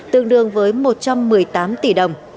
tương đương với một trăm một mươi tám tỷ đồng